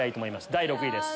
第６位です。